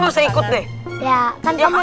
mendingan bisa ikut deh